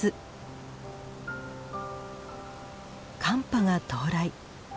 寒波が到来。